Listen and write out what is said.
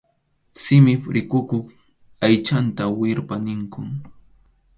Simip rikukuq aychanta wirpʼa ninkum.